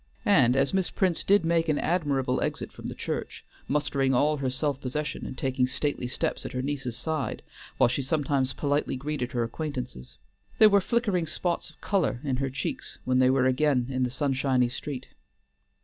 And Miss Prince did make an admirable exit from the church, mustering all her self possession and taking stately steps at her niece's side, while she sometimes politely greeted her acquaintances. There were flickering spots of color in her cheeks when they were again in the sun shiny street.